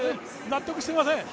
納得していません。